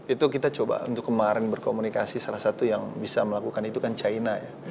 itu kita coba untuk kemarin berkomunikasi salah satu yang bisa melakukan itu kan china ya